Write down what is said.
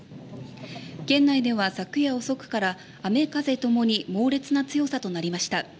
県内では昨夜遅くから雨風ともに猛烈な強さとなりました。